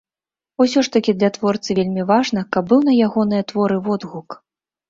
Усё ж такі для творцы вельмі важна, каб быў на ягоныя творы водгук.